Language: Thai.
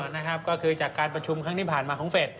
นะครับก็คือจากการประชุมครั้งที่ผ่านมาของเฟส